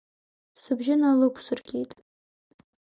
Сыбжьы налықәсыргеит.